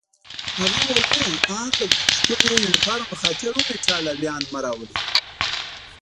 هغې وویل: نه، آن د ښکلي یونیفورم په خاطر هم ایټالویان مه راوله.